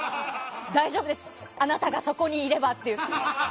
大丈夫ですあなたがそこにいればって。